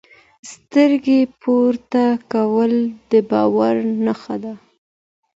سترګو پورته کول د باور نښه ده.